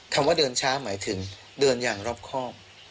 คำว่าเดินช้าหมายถึงเดินอย่างรอบครอบ